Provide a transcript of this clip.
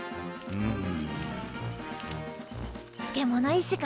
うん。